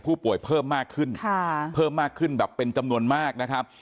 ผู้ป่วยเพิ่มมากขึ้นแบบเป็นจำนวนมากนะครับ